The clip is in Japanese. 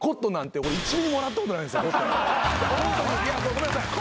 ごめんなさい。